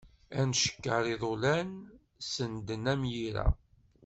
Ad ncekker iḍulan, senden am yira.